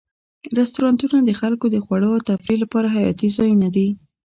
رستورانتونه د خلکو د خوړلو او تفریح لپاره حیاتي ځایونه دي.